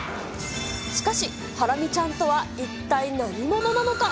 しかしハラミちゃんとは一体何者なのか。